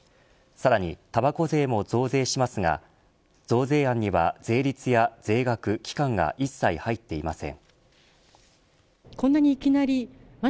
さらにたばこ税も増税しますが増税案には税率や税額、期間が一切入っていません。